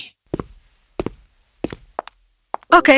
aku akan mencari buku yang lebih baik